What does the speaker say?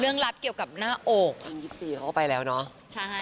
เรื่องรับเกี่ยวกับหน้าโอกี่ยดย์สี่เขาก็ไปแล้วเนาะใช่ไง้ย